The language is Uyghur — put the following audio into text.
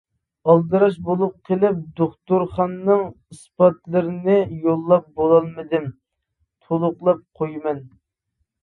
ئالدىراش بولۇپ قېلىپ دوختۇرخانىنىڭ ئىسپاتلىرىنى يوللاپ بولالمىدىم، تولۇقلاپ قويىمەن.